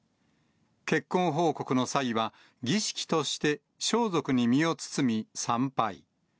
結婚報告の際は、儀式として装束に身を包み、参拝。